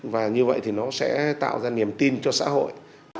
và như vậy thì nó sẽ tạo ra niềm tin cho xã hội